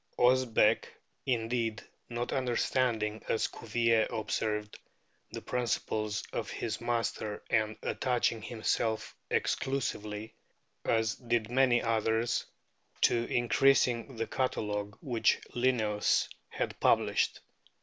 Osbeck, indeed, "not understanding," as Cuvier observed, "the principles of his master, and attaching himself exclusively, as did many others, to increasing the catalogue which Linnaeus had published